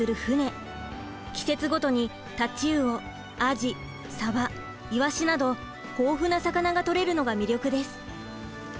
季節ごとに太刀魚アジサバイワシなど豊富な魚が取れるのが魅力です。